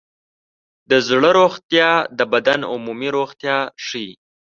د زړه روغتیا د بدن عمومي روغتیا ښيي.